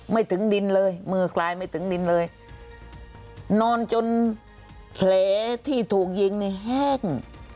ไม่ถึงดินเลยมือกลายไม่ถึงดินเลยนอนจนแผลที่ถูกยิงนี่แห้ง